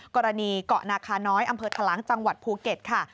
กรณีเกาะนาคาน้อยอำเภอทะลังจังหวัดภูเก็ตค่ะ